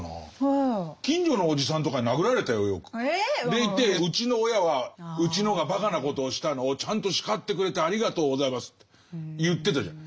⁉でいてうちの親は「うちのがばかなことをしたのをちゃんと叱ってくれてありがとうございます」って言ってたじゃん。